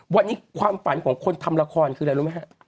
วันนี้ความฝันของคนทำละครคืออะไรรู้ไหมฮะ